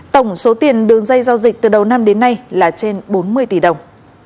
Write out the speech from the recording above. tổng số tiền đường dây giao dịch từ đầu năm đến nay là trên bốn mươi tỷ đồng